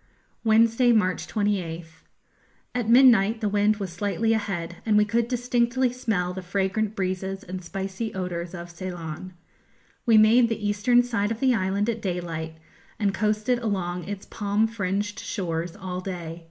_ Wednesday, March 28th. At midnight the wind was slightly ahead, and we could distinctly smell the fragrant breezes and spicy odours of Ceylon. We made the eastern side of the island at daylight, and coasted along its palm fringed shores all day.